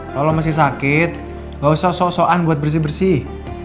kalau masih sakit gak usah sosokan buat bersih bersih